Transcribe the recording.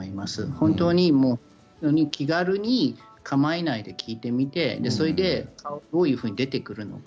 本当に気軽に構えないで聞いてみて、それでどういうふうに出てくるのか